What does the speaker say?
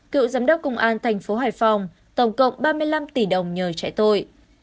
cựu giám đốc công an thành phố hải phòng tổng cộng ba mươi năm tỷ đồng nhờ trẻ tôi